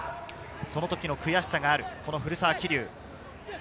その時の悔しさがある古澤希竜。